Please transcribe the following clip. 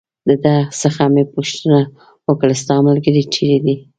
د ده څخه مې پوښتنه وکړل: ستا ملګری چېرې دی؟